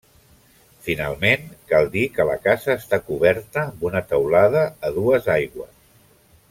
Finalment, cal dir que la casa està coberta amb una teulada a dues aigües.